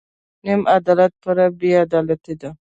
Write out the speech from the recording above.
نیم عدالت پوره بې عدالتي ده.